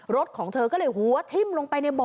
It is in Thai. รถของเธอก็เลยหัวทิ้มลงไปในบ่อ